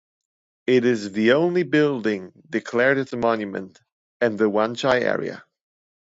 It is the only building declared as a monument in the Wan Chai area.